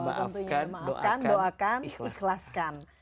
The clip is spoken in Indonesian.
maafkan doakan ikhlaskan